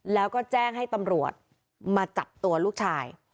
แล้วก็แจ้งให้ตำรวจมาจับตัวลูกชาย